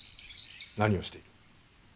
何をしている。